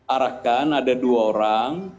arahkan ada dua orang